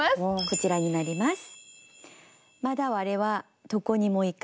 こちらになります。